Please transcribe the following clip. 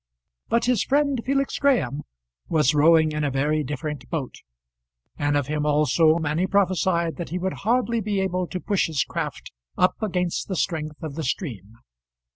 But his friend Felix Graham was rowing in a very different boat; and of him also many prophesied that he would hardly be able to push his craft up against the strength of the stream.